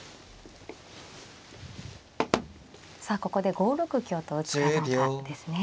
さあここで５六香と打つかどうかですね。